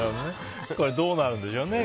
どうなるんでしょうね。